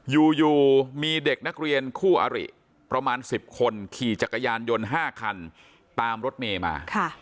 อยู่มีเด็กนักเรียนคู่อริประมาณ๑๐คนขี่จักรยานยนต์๕คันตามรถเมย์มา